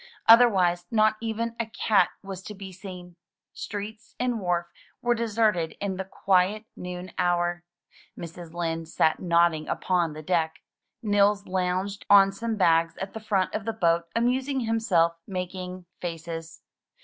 Otherwise not even a cat was to be seen. Streets and wharf were deserted in the quiet noon hour. Mrs. Lind sat nodding upon the deck. Nils lounged on some bags at the front of the boat, amusing himself making faces.